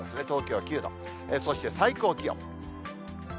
東京９度、そして最高気温。